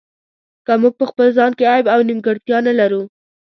که موږ په خپل ځان کې عیب او نیمګړتیا نه لرو.